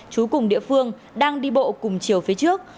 chú cùng địa phương đang đi bộ cùng chiều phía trước